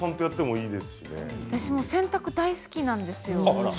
私も洗濯は大好きなんですよ。